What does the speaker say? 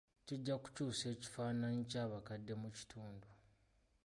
Kijja kukyusa ekifaananyi ky'abakadde mu kitundu.